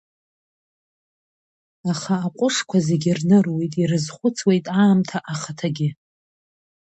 Аха аҟәышқәа зегь рныруеит, ирызхәыцуеит аамҭа ахаҭагьы…